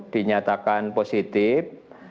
dua puluh tujuh dinyatakan positif